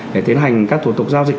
để tiến hành các thủ tục giao dịch